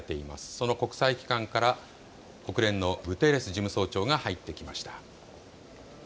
その国際機関から国連のグテーレス事務総長が入ってきました。